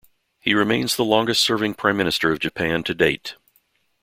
He remains the longest-serving Prime Minister of Japan to date.